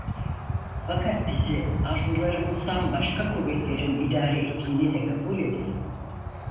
Fakat bizi arzularımızdan başka kuvvetlerin idare ettiğini de kabul edelim.